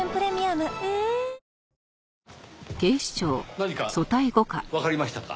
何かわかりましたか？